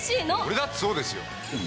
俺だってそうですよ。